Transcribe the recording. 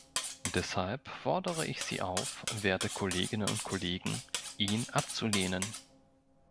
Deshalb fordere ich Sie auf, werte Kolleginnen und Kollegen, ihn abzulehnen.